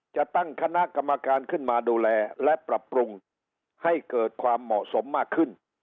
จะตั้งคณะกรรมการขึ้นมาดูแลและปรับปรุงให้เกิดความเหมาะสมมากขึ้น